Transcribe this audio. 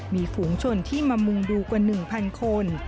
มีฝูงชนที่มามุงดูกว่าหนึ่งพันคน